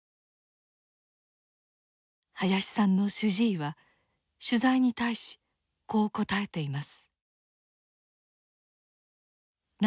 林さんの主治医は取材に対しこう答えています。